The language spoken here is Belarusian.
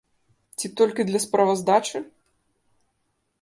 Ці толькі для справаздачы?